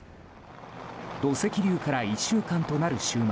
土石流から１週間となる週末。